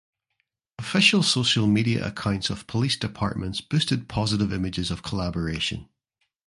Official social media accounts of police departments boosted positive images of collaboration.